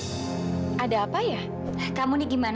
sejak kecuali bertentangan